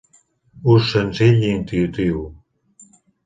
Ús senzill i intuïtiu.